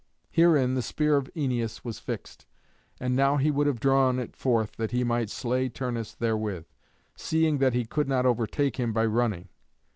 Herein the spear of Æneas was fixed, and now he would have drawn it forth that he might slay Turnus therewith, seeing that he could not overtake him by running.